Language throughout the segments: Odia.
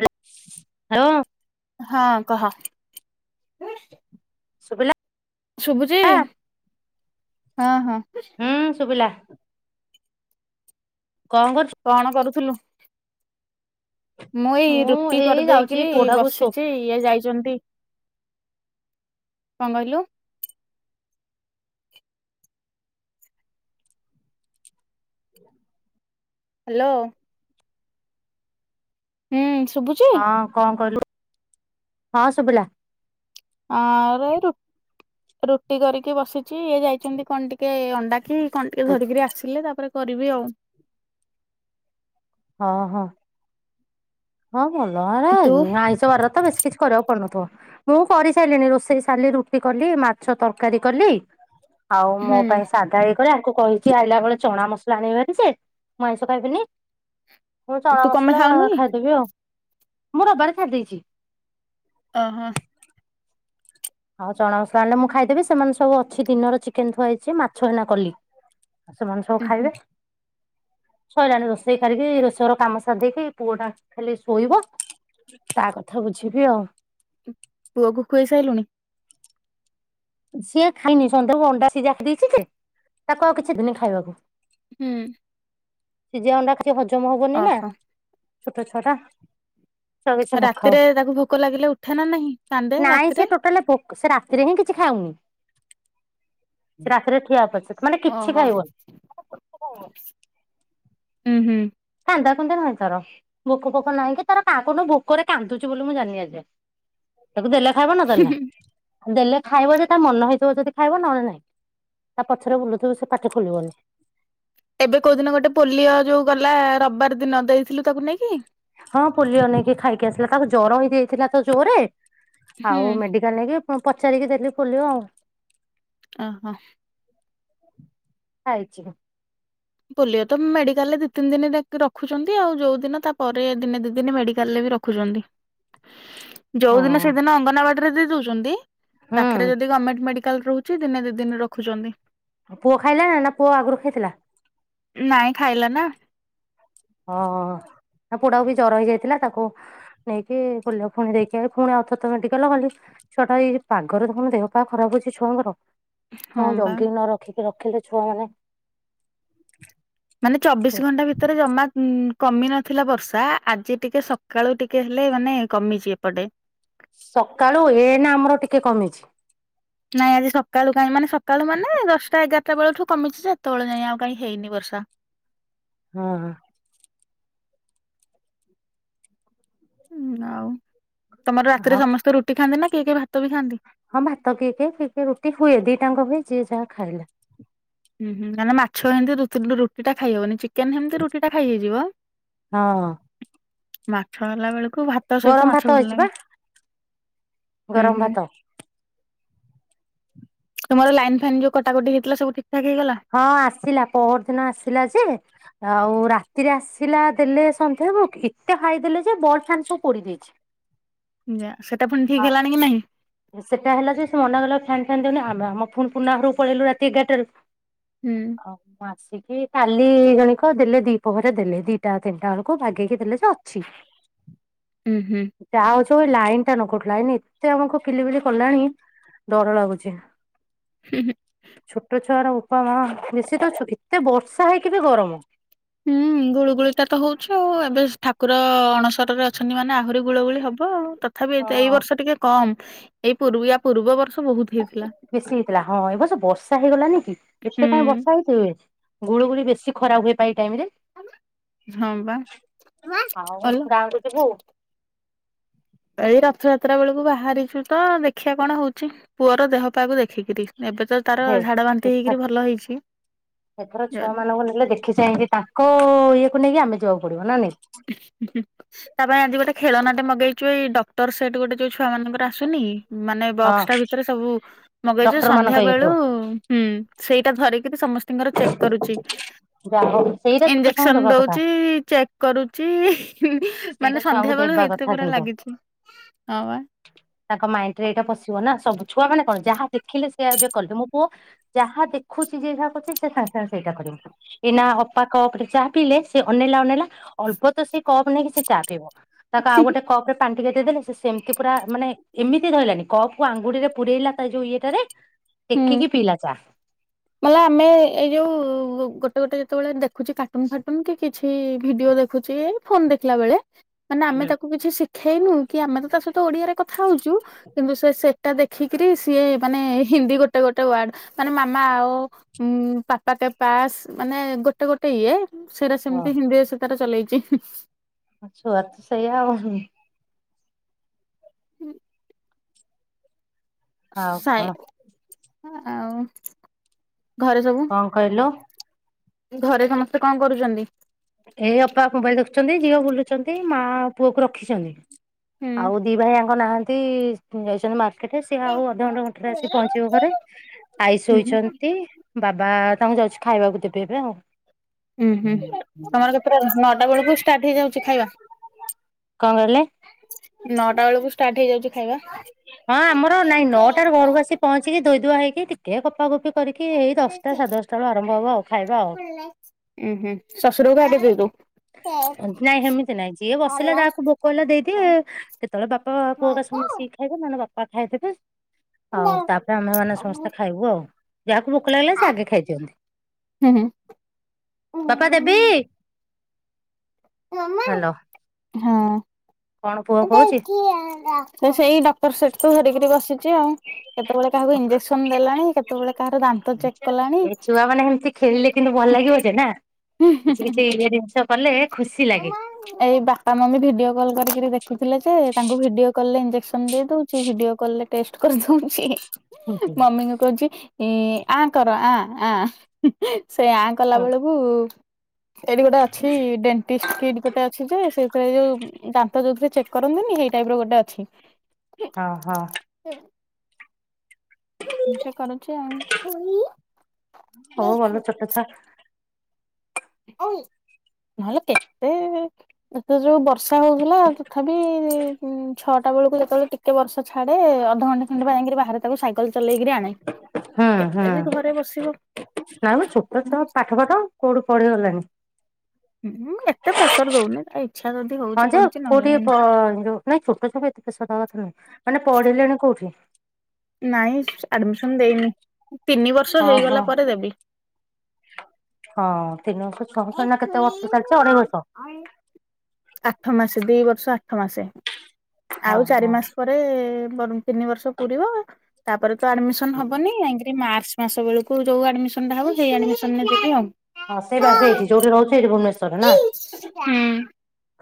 Hello hello. ହଁ କହ। ସୁୁଭିଲା? ଶୁଭୁଛି ହଁ ହଁ। ହୁଁ ଶୁଭିଲା। କଣ କରୁଚୁ? କଣ କରୁଥିଲୁ? ମୁଁ ଏଇ ରୁଟି ଏଇ ଯାଉଛି କରିଦେଇକିରି ପୁଅଟାକୁ ଶୋ ବସିଛି ଇଏ ଯାଇଛନ୍ତି କଣ କହିଲୁ? ହ ହ୍ୟାଲୋ। ହୁଁ ଶୁୁବୁ ହଁ କଣ କହିଲୁ? ହଁ ଶୁଭୁିଲା। ଆରେ ରୁଟି କରିକି ବସି ଚି ଇଏ ଯାଇଛନ୍ତି କଣ ଟିକେ ଅଣ୍ଡା କି କଣ ଟିକେ ଧରିକରି ଆସିଲେ ତାପରେ କରିବି ଆଉ। ହଁ ହଁ। ହଁ ଭଲ ଆଡେ ତୁ ଆଇଁଷ ବାରରେ ତ ବେଶୀ କିଛି କରିବାକୁ ପଡୁନଥିବ। ମୁଁ କରିସାରିଲିଣି ରୋଷେଇ ସାରିଲି ରୁଟି କଲି, ମାଛ ତରକାରୀ କଲି। ଆଉ ମୋ ହୁଁ ପାଇଁ ସାଧା ହେଇ କରେ ଆଙ୍କୁ କହିଚି ଆଇଲା ବେଳେ ଚଣାମସଲା ଆଣିବେ ଟିକେ ସେ ମୁଁ ଆଇଁଷ ଖାଇବିନି। ମୁଁ ତୁ କଣ ପାଇଁ ଚଣାମସଲା ଖାଉନୁ କି? ଖାଇଦେବି ଆଉ ମୁଁ ରବିବାର ଛାଡିଦେଇଚି। ଓହୋ। ଆଉ ଚଣାମସଲା ଆଣଲେ ମୁଁ ଖାଇଦେବ ସେମାନେ ସବୁ ଅଛି ଦିନର ଚିକେନ ଥୁଆହେଇଚି ମାଛ ଏନା କଲି। ଆଉ ସେମାନେ ସବୁ ଉଁ ହୁଁ ଖାଇବେ। ସଇଲାଣି ରୋଷେଇ କରିକି ରୋଷେଇ ଘର କାମ ସାରଦେଇକି ପୁଅଟା ଖାଲି ଶୋଇବ। ତା କଥା ବୁଝିବି ଆଉ। ଉ ପୁଅକୁ ଖୁଏଇ ସାଇଲୁଣି? ସିଏ ଖାଇନି ସନ୍ଧ୍ୟାକୁ ଅଣ୍ଡା ସିଜା ଖାଇଦେଇଚି ଯେ ତାକୁ ଆଉ କିଛି ଦିନି ଖାଇବାକୁ। ହୁଁ। ସିଜା ଅଣ୍ଡା କିଛି ହଜମ ହବନି ନା ଓହୋ ଛୋଟ ଛୁଆଟା। ରାତିରେ ତାକୁ ଭୋକ ଲାଗିଲେ ଉଠେ ନା ନାହିଁ କାନ୍ଦେ ନାଇଁ ସେ ରାତିରେ? ଟୋଟାଲ ଭୋକ ସେ ରାତିରେ ହିଁ କିଛି ଖାଉନି ସେ ରାତିରେ ଠିଆ ପଛକୁ ମାନେ କିଛି ଖାଇବନି। ଉଁହୁଁ। କାନ୍ଦାକୁନ୍ଦି ନାହିଁ ତାର। ଭୋକ ଫୋକ ନାହିଁ କି ତାର କା କୋଉଦିନ ଭୋକରେ କାନ୍ଦୁଚି ବୋଲି ମୁଁ ଜାଣନି ଆସିଯାଏ। ତାକୁ ଦେଲେ ଖାଇବ ନ ଦେଲେ ନାହିଁ। ଦେଲେ ଖାଇବ ଯେ ତା ମନ ହେଇଥିବ ଯଦି ଖାଇବ ନହେଲେ ନାଇଁ ତା ପଛରେ ବୁଲୁଥୁବୁ ସେ ପାଟି ଖୋଲିବନି। ଏବେ କୋଉ ଦିନ ଗୋଟେ ପୋଲିଓ ଯୋଉ ଗଲା ରବିବାର ଦିନ ଦେଇଥିଲୁ ତାକୁ ନେଇକି? ହଁ ପୋଲିଓ ନେଇକି ଖାଇକି ଆସିଲା ତାକୁ ଜର ହେଇଯାଇଥିଲା ତ ଜୋରେ ହୁଁ ଆଉ ମେଡି କାଲ ନେଇକି ପୁଣ ପଚାରିକି ଦେଲିି ପୋଲିଓ ଆଉ। ଅହ। ଖାଇଚି ମୁଁ। ପୋଲିଓ ତ ମେଡିକାଲରେ ଦିତିନି ଦିନି ନାକି ରଖୁଚନ୍ତି ଆଉ ଯୋଉଦିନ ତା ପରେ ଦିନେ ଦିଦିନି ମେଡିକାଲରେ ବି ର ରଖୁଚନ୍ତି। [inaudible] ଯୋଉଦିନ ସେଦିନ ଅଙ୍ଗନବାଡିରେ ଦେଇଦୋଉଚନ୍ତି ପାଖରେ ହୁଁ ଯଦି ଗମେଣ୍ଟ ମେଡିକାଲ ରହୁ ଚି ଦିନେ ଦିଇଦିନେ ରଖୁଚନ୍ତି। ଆଉ ପୁଅ ଖାଇଲା ନା ପୁଅ ଆଗରୁ ଖାଇଥିଲା? ନାଇଁ ଖାଇଲା ନା। ହ ହ ହ ତା ପୁଅଟାକୁ ବି ଜର ହେଇଯାଇଥିଲା ତାକୁ ନେଇକି ପୋଲିଓ ଫୁଣି ଦେଇକି ଆଇ ପୁଣି ଆଉଥରେ ତ ମେଡିକାଲ ତ ଗଲି। ଛୁଆଟା ଏଇଯୋଉ ପାଗରେ ଦେଖୁନୁ ଦେହପା ଖରାପ ହୋଉଚି ଛୁଆଙ୍କର। ହଁ ତାଙ୍କୁ ବା ଜଗିି ନ ରଖିକି ରଖିଲେ ଛୁଆମାନେ ମାନେ ଚବିଶ ଘଣ୍ଟା ଭିତରେ ଜମା ଉଁ କମିନଥିଲା ବର୍ଷା ଆଜି ଟିକେ ସ ସକାଳୁ ଟିକେ ହେଲେ ମାନେ କମିଚି ଏପଟେ। ସକାଳୁ ଏଇନା ଆମର ଟିକେ କମିଚି। ନାଇଁ ଆଜି ସକାଳୁ କାଇଁ ମାନେ ସକାଳୁ ମାନେ ଦଶଟା ଏଗାରଟା ବେଳଠୁ କମିଚି ଯେ ଏତୋବେଳେ ଯାଏଁ ଆଉ କାହିଁ ହେଇନି ବର୍ଷା। ହଁ ହଁ ଉଁ ଆଉ ତମର ହଁ ରାତିରେ ସମସ୍ତେ ରୁଟି ଖାଆନ୍ତି ନା କେହି କେହି ଭାତ ବି ଖାଆନ୍ତି? ହଁ ଭାତ କିଏ କିଏ କିିଏ କିଏ ରୁଟି ହୁଏ ଦିଟାଆଙ୍କ ହୁଏ ଯିଏ ଯାହା ଖାଇଲା। ଉଁହୁଁ କାରଣ ମାଛ ହେମତି ରୁତୁ ରୁଟିଟା ଖାଇହବନି ଚି ଚିକେନ ହେମତି ରୁଟିଟା ଖାଇହେଇଯିବ ହଁ ମାଛ ହେଲାବେଳକୁ ଭା ତା ସହିତ ଗରମ ମାଛ ଭାତ ହେଇଛି ବା ଭଲନାଗେ ଗରମ ଉଁହୁଁ। ଭାତ ତୁମର ଲାଇନ୍ ଫାଇନ୍ ଯୋଉ କଟାକଟି ହେଇଥିଲା ସବୁ ଠିକଠାକ ହେଇଗଲା। ହଁ ଆସିଲା ପହରଦିନ ଆସିଲା ଯେ ଆଉ ରାତିରେ ଆସିଲା ଦେଲେ ସନ୍ଧ୍ୟା ହେବ ଏତେ ହାଇ ଦେଲେ ଯେ ବଲ ଫ୍ୟାନ୍ ସବୁ ପୋଡି ଦେଇଚି। [unintelligible] ନା ସେଟା ପୁଣି ଠିକ ହେଲାଣି କି ନାହିଁ? ସେଇଟା ହେଲା ଯେ ସେ ମନା ଗଲା ଫ୍ୟାନ୍ ଫନ୍ ଦଉନି ଆମ ଆମ ପୁଣି ପୁରୁଣା ଘରକୁ ପଳେଇଲୁ ରାତି ଏଗାରଟାରୁ। ହୁଁ। ଓ ମାସ ଆସିକି କାଲି ଜଣିକ ଦେଲେ ଦିପ ପହରେ ଦେଲେ ଦିଟା ତିନିଟା ବେଳକୁ ଭଗେଇକି ଦେଲେ ଯେ ଅଛି। [inaudible] ଉଁ ହୁଁ। ଯାହା ହଉଛି ହଉ ଲାଇନ ଟା ନ କଟୁ ଲାଇନ ଏତେ ଆମକୁ କିଲି ବିଲି କଲାଣି। ଡର ଲାଗୁଚି। ହୁଁ ହୁଁ। ଛୋଟ ଛୁଆର ବୋପା ମା ବେଶୀ ତ ଏତେ ବର୍ଷା ହେଇକ ବି ଗରମ। ହୁଁ ଗୁଳୁଗୁଳିଟା ତ ହଉଛି ଆଉ ଏବେ ଠାକୁର ଅଣସରରେ ଅଛନ୍ତି ମାନେ ଆହୁରି ଗୁଳୁଗୁଳି ହବ ଆଉ। ତ ତଥାପି ଏଇଟା ଏଇ ହଁ ବର୍ଷ ଟିକେ କମ ଏଇ ପୂର୍ବି ୟା ପୂର୍ବ ବର୍ଷ ବହୁତ ହେଇଥିଲା। ବେଶୀ ହେଇଥିଲା ହଁ ଏ ବସ ବର୍ଷା ହେଇଗଲାନି କି? ହୁଁ ଏତେ କାଇଁ ବର୍ଷା ହେଇ ହୁଏ, ଗୁଳୁ ଗୁଳି ବେଶୀ ଖରା ହୁଏ ବା ଏଇ ଟାଇମ ରେ। ହଁ ବା ଆଉ ଅଲ ଗାଁ କୁ ଯିବୁ? ଏଇ ରଥଯାତ୍ରା ବେଳକୁ ବାହାରିଛୁ ତ ଦେଖିବା କଣ ହଉଛି? ପୁଅର ଦେହ ପାକୁ ଦେଖିକିରି। ଏବେ ତ ତାର ହେ ଝାଡା ବାନ୍ତି ଏଥର ହେଇକରି ଭଲ ହେଇଛି। ଜ [unintelligible] ଦେ ଦେଖି ଯାଇଁକି ତାଙ୍କ ଇଏକୁ ନେଇକି ଆମେ ଯିବାକୁ ପଡିବ ନା ନାଇଁ? ଉଁ ହୁଁ ତା ପାଇଁ ଆଜି ଗୋଟେ ଖେଳନାଟେ ମଗେଇଛୁ ଏଇଡ ଟର ସେଟ ଗୋଟେ ଯୋଉ ଛୁଆ ମାନଙ୍କର ଆସୁନି ମାନେ ହଁ ବକ୍ସଟା ଭିତରେ ସବୁ। ମଗେଇଛୁ, ଡକ୍ଟର ମାନଙ୍କ ସନ୍ଧ୍ୟା ଇଏ ବେଳୁ ଥିବ ହୁଁ ସେଇଟା ଧରିକିରି ସମସ୍ତେ ଙ୍କର ଚେକ୍ କରୁଛି, ଯାହା ହଉ ସେଇଟା ଛୋଟ ଛୁଆଙ୍କୁ ଇଞ୍ଜେକ୍ସନ ଦବା କଥା ଦଉଛି ଚେକ୍ ଚି ହିଁ, ସେଇଟା ମାନେ ଛୁଆଙ୍କୁ ସନ୍ଧ୍ୟା ବେଳୁ ଦେବା ହେଇଥିରେ କଥା ପୁରା କିନ୍ତୁ ଲାଗିଛି ହଁ ବା। ତାଙ୍କ ମାଇଣ୍ଡ ରେ ଏଇଟା ପଶିବ ନା ସବୁ ଛୁଆ ମାନେ କଣ ଯାହା ଦେଖିଲେ ସେଆବେ କଲେ, ମୋ ପୁଅ ଯାହା ଦେଖୁଛି ଯେ ଯାହା କରଛି ସେ ସାଙ୍ଗେ ସାଙ୍ଗେ ସେଇଟା କରମି ଏଇ ନା ଅପାକଟେ ଚା ପିଲେ ସେ ଅନେଇଲା ଅନେଇଲା ଅଳ୍ପ ତ ସେ କପ ନେଇକି ସେ ଚା ପିବ। ତାକୁ ଆଉ ଗୋଟେ କପ ରେ ପାଣି ଟିକେ ଦେଇଦେଲେ ସେ ସେମିତି ପୁରା ମାନେ ଏମିତି ଧଇଲାନି କପ କୁ ଆଙ୍ଗୁଡିରେ ପୁରଇଲା ତା ଯୋଉ ଇଏଟାରେ ହୁଁ। ଟେକିକି ପିଲା ଚା। ମଲା ଆମେ ଏଇ ଯୋଉ ଗୋଟେ ଗୋଟେ ଯେତେବେଳେ ଦେଖୁଛେ କାର୍ଟୁନ ଫାଟୁନ କି କି କିଛି ଭିଡିଓ ଦେଖୁଛି ଫୋନ ଦେଖିଲା ବେଳେ ମାନେ ଆମେ ତାକୁ କିଛି ସି ଦେଖେଇନୁ କି ଆମେ ତ ତା ସହିତ ଓଡିଆରେ କଥା ହଉଛୁ କିନ୍ତୁ ସେ ସେଟା ଦେଖିକରି ସିଏ ମାନେ ଏ ହିନ୍ଦୀ ଗୋଟେ ଗୋଟେ ୱାର୍ଡ ମାନେ ମାମା ଆଓ ଉଁ ପାପାକେ ପାସ୍ ମାନେ ଗୋଟେ ଗୋଟେ ଇଏ। ସେଇଟା ସେମିତି ହଁ ହିନ୍ଦୀରେ ସେ ତାରା ଚଲେଇଛି ହୁଁ। ଛୁଆ ତ ସେଇଆ ଆଉ। ହୁଁ। ଆଉ କଣ ସାଇ ଆଉ ଘରେ ସବୁ। କଣ କହିଲୁ? ଘରେ ସମସ୍ତେ କଣ କରୁଛନ୍ତି? ଏଇ ଅପା ମୋବାଇଲ ଦେଖୁଛନ୍ତି, ଝିଅ ବୁଲୁଛନ୍ତି, ମା ପୁଅ କୁ ରଖିଛନ୍ତି। ହୁଁ ଆଉ ଦି ଭାଇଆଙ୍କ ନାହାନ୍ତି ଯାଇଛନ୍ତି ମା ସିଏ ଆଉ ଅଧଘଣ୍ଟା ଘଣ୍ଟାରେ ଆସି ପହଞ୍ଚିବ ଘରେ ଆଈ ଶୋଇଛନ୍ତି। ବାବା ତାଙ୍କୁ ଯାଉଛି ଖାଇବାକୁ ଦେବି ଏବେ ଆଉ। ହୁଁ ହୁଁ ତମର କେତେଟା ନଅଟା ବେଳକୁ ଷ୍ଟାର୍ଟ ହେଇଯାଉଛି ଖାଇବା? କଣ କହିଲେ? ନଅଟା ବେଳକୁ ଷ୍ଟାର୍ଟ ହେଇଯାଉଛି ଖାଇବା। ହଁ ଆମର ନାଇଁ ନଅଟାରେ ଘରକୁ ଆସି ପହଞ୍ଚିକି ଧୋଇଦୁଆ ହେଇକି ଟିକେ, କପା ଗୋପି କରିକି, ଏଇ ଦଶଟା ସାଢ଼େ ଦଶଟା ବେଳ ଆରମ୍ଭ ହବ ଆଉ ଖାଇବା ଆଉ ହାଲୋ ଉୁଁ ହୁଁ ଶଶୁର [unintelligible] ନାଇଁ ସେମିତି ନାଇଁ, ଯିଏ ବସିଲା ତାକୁ ଭୋକ ହେଲା ଦେଇଦି କେତେବେଳେ ବାପା କୁଅ କ ସମ ମିଶିକି ଖାଇବେ ମାନେ ବାପା ଖାଇଦେବେ ଆଉ ତାପରେ ଆମେ ମାନେ ସମସ୍ତେ ଖାଇବୁ ଆଉ ଯାହାକୁ ଭୋକ ଲାଗିଲା ସେ ଆଗେ ଖାଇ ଦିଅନ୍ତି, ବାପା ଦେବି [unintelligible] ହାଲୋ ହଁ, କହୁଛି? ଦେଖିଆ ସେ ସେଇ ଡକ୍ଟର ସେଠ ତୁ ଧରିକିରି ବସିଛି ଆଉ କେତେବେଳେ କାହାକୁ ଇଞ୍ଜେକ୍ସନ ଦେଲାଣି, କେତେବେଳେ କାହାର ଦାନ୍ତ ଚେକ୍ କଲାଣି। ଛୁଆମାନେ ଏମତି ଖେଳିଲେ କିନ୍ତୁ ଭଲ ଲାଗିବ ଯେ, ନା କିଛି କିଛି ଇଏ ଜିନିଷ କଲେ ଖୁସି ଲାଗେ। ଏଇ ବାପା ମମି ଭିଡିଓ କଲ୍ କରିକି ଦେଖିଥିଲେ ଯେ- ତାଙ୍କୁ ଭିଡିଓ କଲରେ ଇଞ୍ଜେକ୍ସନ ଦେଇଦଉଛି ଭିଡିଓ କଲରେ ଟେଷ୍ଟ କରିଦଉଛି, ମମିଙ୍କୁ କହୁଚି ଏ ଆ କର ଆ ଆ ସେ ଆ କଲା ବେଳକୁ ଏଇଠି ଗୋଟେ ଅଛି ଡେ କିଡ ଗୋଟେ ଅଛି ଯେ- ସେଥିରେ ଯୋଉ ଦାନ୍ତ ଯୋଉଥିରେ ଚେକ୍ କରନ୍ତିନି, ସେଇ ଟାଇପ ର ଗୋଟେ ଅଛି। ହଁ ହଁ। [unintelligible] ନିଜେ କରୁଚି ଆଉ। ହଉ ଭଲ ଛୋଟ ଛୁଆ। [unintelligible] ନହେଲେ କେତେ? ଏତ ଯୋଉ ବର୍ଷା ହଉଥିଲା, ତଥାପି ଛଅଟା ବେଳକୁ ଯେତେବେଳେ ଟିକେ ଗୋଟେ ବର୍ଷ ଛାଡେ, ଅଧଘଣ୍ଟା ଉଣ୍ଡୁ ଯାଇକିରି ବାହାରେ ତାକୁ ସାଇକଲ ଚଲେଇକିରି ଆଣେ, କେତେ ବି ଘରେ ବସିବ? ନାଇ ମ, ଛୋଟ ଛୁଆ ପାଠ ପାଠ କୋଉଠି ପଢି ଗଲାଣି। ହଁଁ ଏତେ ପ୍ରେସର ଦୋଉନି। ହଁ ଯେ କୋଉଠି ଯୋଉ ନାଇଁ ଛୋଟ ଛୁଆ ଏତ ସଦା କଥା ନୁହେଁ ମାନେ ପଢିଲେଣି କୋଉଠି? ନାଇଁ ଆଡମିସନ ଦେଇନି, ତିନି ବର୍ଷ ଓହୋ ହେଇଗଲା ପରେ ଦେବି। ହଁ ତିନି ବର୍ଷ ଛୁଆଙ୍କୁ, ଏଇନା କେତେ ବର୍ଷ ଚାଲିଛି ଅଢେଇ ବର୍ଷ। ଆଠ ମାସେ, ଦି ବର୍ଷ ଆଠ ମାସେ, ହଁ ଆଉ ଚାରି ହଁ ମାସ ପରେ ତାପରେ ତିନି ବର୍ଷ ପୁରିବ ତାପରେ ତ ଆଡମିସନ ହବନି, ଯାଇକିରି ମାର୍ଚ ମାସ ବେଳକୁ ଯୋଉ ଆଡମିସନଟା ହବ, ସେଇ ଆଡମିସନ ରେ ଦେବି ଆଉ। ହଁ ସେଇ ବାସ ଏଇଠି ହଁ। ଯୋଉଠି ରହୁଛି ଏଠି ଭୁବନେଶ୍ଵରରେ ନା,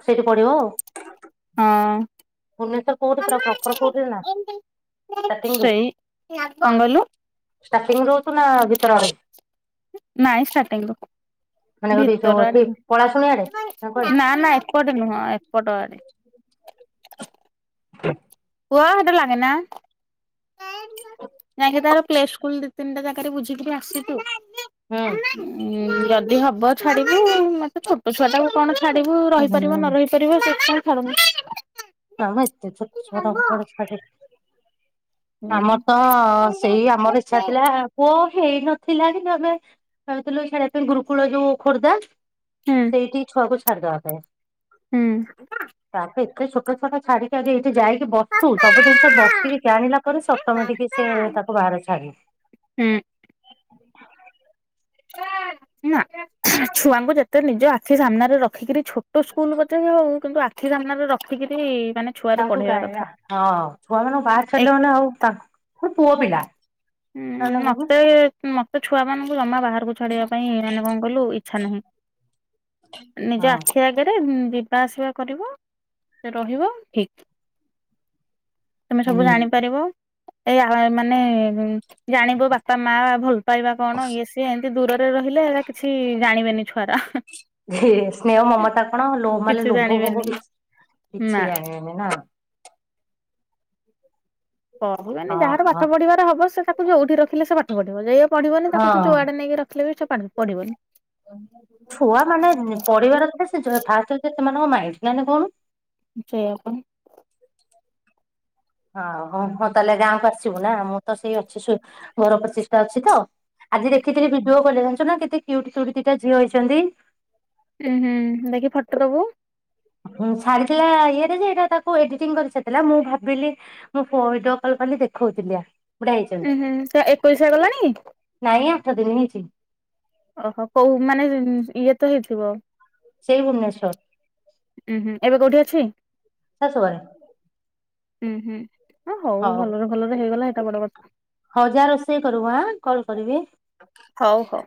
ସେଇଠି ପଢ଼ିବ ଆଉ। ହଁ ଅଁ ଭୁବନେଶ୍ୱର କୋଉଠି ପୁରା ପ୍ରପର କୋଉଠି ନା ଷ୍ଟାର୍ଟିଂରୁ ସେଇ, କଣ କହିଲୁ? ଷ୍ଟାର୍ଟିଂ ରହୁଛୁ ନା ଭିତର ଆଡ଼କୁ। ନାଇଁ ଷ୍ଟାର୍ଟିଂରୁ ମାନେ ଯୋଉଠି ଯୋଉ ଭିତର ଆଡେ ଏଠି ପଳାଶୁଣି ଆଡେ କୁଆଡେ? ନା ନା। ଏପଟେ ନୁହଁ, ଏପଟ ଆଡେ। [unintelligible] ପୁଅ ସେଥିରେ ଲାଗେନା। [unintelligible] ଯାଇକିନା ତାର ପ୍ଲେ ସ୍କୁଲ ଦି ତିନିଟା ଜାଗାରେ ବୁଝିକିରି ଆସଛୁ। ହୁଁ ଉଁ ଉଁ ଯଦି ହବ ଛାଡିବୁ, ମତେ ଛୋଟ ଛୁଆ ଟାକୁ କଣ ଛାଡିବୁ ରହିପାରିବ ହୁଁ ନରହି ପାରିଵ ପାରିବ ସେଥିପାଇଁ ଛାଡୁନୁ। ନାମ ଏତେ ଛୋଟ ଛୁଆ ଟା କୁଆଡେ ଛାଡ଼ିବୁ? ହୁଁ ଆମର ହୁଁ। ତ ସେଇ, ଆମର ଇଛା ଥିଲା ପୁଅ ହେଇନଥିଲା କିନ୍ତୁ ଆମେ କହିଥିଲୁ ଛାଡିବା ପାଇଁ। ଗୁରୁକୁଳର ଯୋଉ ଖୋର୍ଦ୍ଧା? ସେଇଠି ଛୁଆକୁ ଛାଡିଦବା ପାଇଁ। ହୁଁ। ତାପରେ ଏତେ ଛୋଟ ଛୁଆଟା ଛାଡିକି ଆଗେ ଏଇଠି ଯାଇକି ବସୁ, ସବୁ ଜିନିଷ ବସିକି ଜାଣିଲେ ତାପରେ ସେ ଅଟୋମେଟିକ ସେ ତାକୁ ବାହାର ଛାଡିବୁ। ହୁଁ। ନା। ଛୁଆଙ୍କୁ ଯେତେ ନିଜ ଆଖି ସାମ୍ନାରେ ରଖିକିରି ଛୋଟ ସ୍କୁଲ ପଛେ ବି ହଉ, କିନ୍ତୁ ଆଖି ସାମ୍ନାରେ ରଖିକିରି ମାନେ ଛୁଆରୁ ତାଙ୍କୁ ପଢେଇବା କଥା। ଗାଇବା। ହଁ ଛୁଆମାନଙ୍କୁ ବାହାରେ ଏକ ଛାଡ଼ିଲା ମାନେ ଆଉ ତାକୁ, ପୁଣି ପୁଅ ପିଲା ହୁଁ ସାନ ବୋହୂ ମତେ ମତେ ଛୁଆମାନଙ୍କୁ ଜମା ବାହାର ଟକୁ ଛାଡିବା ପାଇଁ ମାନେ କଣ କହିଲୁ ଇଚ୍ଛା ନାହିଁ। ନିଜ ଆଖି ଆଗ ସେଇରେ ଯିବା ଆସିବା କରିବ, ରହିବ ଠିକ୍। ତମେ ସବୁ ହୁଁ। ଜାଣିପାରିବ, ଏଇଆ ମାନେ ଜାଣିବୁ ବାପା ମାଆ ଭଲ ପାଇବା କଣ ଇଏ ସିଏ, ଏମିତି ଦୂରରେ ରହିଲେ ହେଇରା କିଛି ଜାଣିବେନି ଛୁଆରା। ହେ ସ୍ନେହ ମମତା କଣ ଲୋ ମାନେ କିଛି ଲୋଭ ଫୋଭ ଜାଣିବେନି କିଛି ନା। କିଛି ଜାଣିବେନି ନା? କହିବେନି, ହଁ ଯାହାର ହଁ ପାଠ ପଢିବାର ହବ ସେ ତାକୁ ଯୋଉଠି ରଖିଲେ ସେ ପାଠ ପଢିବ। ଯାଇ ଏ ପଢିବନି, ତାକୁ ତୁ ହଁ। ଯୋଉଆଡ଼େ ନେଇକି ରଖିଲେ ବି ସେ ପାଠ ପଢ଼ିବନି। ଛୁଆମାନେ ପଢିବାର ଥିଲେ ସେ ଯୋଉ ଫାଷ୍ଟ ହେଉଛି ସେମାନଙ୍କ ମାଇଁଣ୍ଡ୍। ନାଇଁ ନା କହୁନୁ? ସେୟା ପାଇଁ ହଁ, ହଁ ହଉ ହଁ ତାହେଲେ ଗାଁକୁ ଆସିବୁ ନା। ମୁଁ ତ ସେଇ ଅଛି ସୋ ଘର ପ୍ରତିଷ୍ଠା ଅଛି ତ ଆଜି ଦେଖିଥିଲି ଭିଡିଓ କଲିଙ୍ଗରେ, ଜାଣିଛୁ ନା କେତେ କ୍ୟୁଟି କ୍ୟୁଟି ଦିଟା ଝିଅ ହେଇଛନ୍ତି? ଉଁ ହୁଁ। ଦେଖି ଫଟୋ ଦବୁ। ହୁଁ ଛାଡିଥିଲା ଇଏରେ ଯେ ଏଇଟା ତାକୁ ଏଡିଟିଂ କରି ଛାଡ଼ିଥିଲା। ମୁଁ ଭାବିଲି ମୁଁ ଫଏଟ୍ ଅପେଲ୍‌ କଲି ଆଉ ଦେଖଉଥିଲି ଆ। ବୁଢା ହେଇଛନ୍ତି ଉଁ ହୁଁ। ତା ଏକୋଇଶିଆ ଗଲାଣି? ନାଇ ଆଠ ଦିନ ହେଇଛି। ଅହୋ। କୋଉ ମାନେ ଇଏ ତ ହେଇଥିବ? ସେଇ ଭୁବନେଶ୍ଵର। ଉଁ ହୁଁ। ଏବେ କୋଉଠି ଅଛି? ଶାଶୁଘରେ ଉଁ ହୁଁ। ହଁ ହଉ ଭଲରେ ଭଲରେ ହେଇଗଲା ଏଇଟା ବଡ଼ କଥା। ହଉ ଯା ରୋଷେଇ କରିବୁ ଆଁ କଲ୍ କରିବି। ହଉ ହଉ।